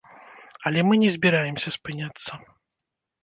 Але мы не збіраемся спыняцца.